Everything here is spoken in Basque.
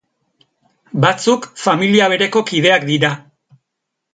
Batzuk familia bereko kideak dira.